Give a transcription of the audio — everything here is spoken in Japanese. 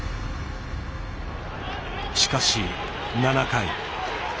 しかし７回。